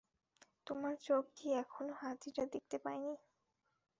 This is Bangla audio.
তোমার চোখ কী এখনও হাতিটা দেখতে পায়নি?